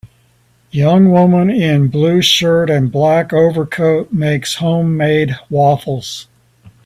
Young woman in blue shirt and black overcoat makes homemade waffles.